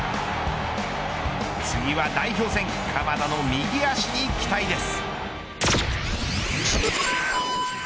次は代表戦鎌田の右足に期待です。